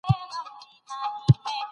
د کندهار ماڼۍ ته ځینې خلک بالاحصار وایې.